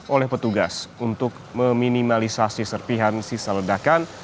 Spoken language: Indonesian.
oleh petugas untuk meminimalisasi serpihan sisa ledakan